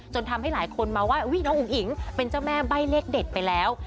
ทำให้หลายคนมาว่าน้องอุ๋งอิ๋งเป็นเจ้าแม่ใบ้เลขเด็ดไปแล้ว